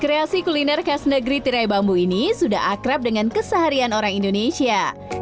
kreasi kuliner khas negeri tirai bambu ini sudah akrab dengan keseharian orang indonesia